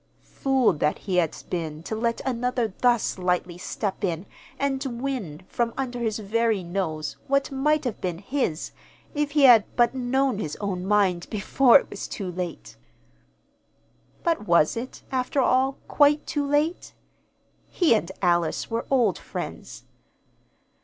Fool that he had been to let another thus lightly step in and win from under his very nose what might have been his if he had but known his own mind before it was too late! But was it, after all, quite too late? He and Alice were old friends.